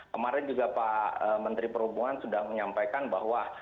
kemarin juga pak menteri perhubungan sudah menyampaikan bahwa